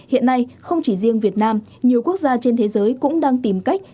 hiện nay không chỉ riêng việt nam nhiều quốc gia trên thế giới cũng đang tìm cách